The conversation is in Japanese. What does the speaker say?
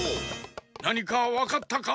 なにかわかったか？